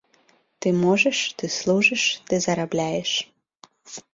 Ты можаш, ты служыш, ты зарабляеш.